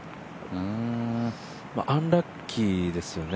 アンラッキーですよね。